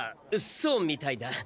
そうみたいだ。